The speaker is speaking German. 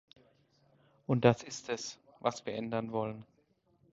Und das ist es, was wir ändern wollen.